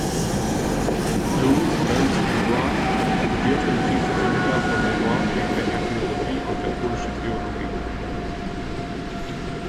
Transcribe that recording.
Louis-Ernest Dubois studierte im Priesterseminar von Le Mans die Fächer Philosophie und Katholische Theologie.